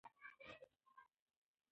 خیر محمد په ډېرې حوصلې سره کار کاوه.